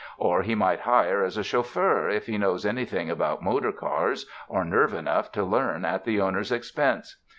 Or he might hire as a chauffeur if he knows anything about motor cars, or nerve enough to learn at the owner's expense.